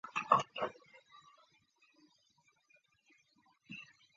他在世界摔角娱乐职业生涯期间累计了十八次的冠军荣誉。